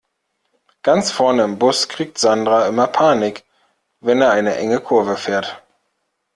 Ganz vorne im Bus kriegt Sandra immer Panik, wenn er eine enge Kurve fährt.